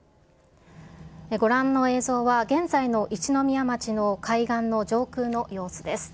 ご覧の映像は、現在の一宮町の海岸の上空の様子です。